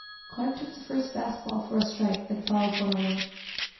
Clark took the first fastball for a strike, then fouled one away.